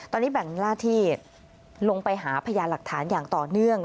ตอนนี้แบ่งหน้าที่ลงไปหาพยานหลักฐานอย่างต่อเนื่อง